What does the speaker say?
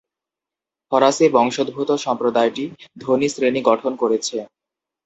ফরাসি বংশোদ্ভূত সম্প্রদায়টি ধনী শ্রেণী গঠন করেছে।